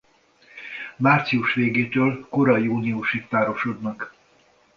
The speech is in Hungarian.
Március végétől kora júniusig párosodnak.